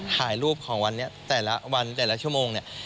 ถ่ายรูปของวันนี้แต่ละวันแต่ละชั่วโมงเนี่ย